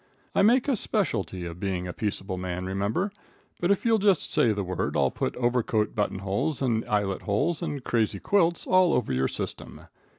I make a specialty of being a peaceable man, remember; but if you'll just say the word, I'll put overcoat button holes and eyelet holes and crazy quilts all over your system.